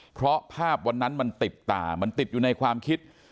เพราะภาพวันนั้นมันติดตามันติดอยู่ในความคิด